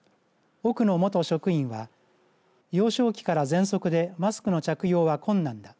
奥野元職員は幼少期から、ぜんそくでマスクの着用は困難だ。